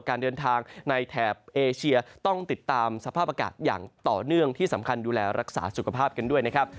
การเดินทางในแถบเอเชียต้องติดตามสภาพอากาศอย่างต่อเนื่องที่สำคัญดูแลรักษาสุขภาพกันด้วยนะครับ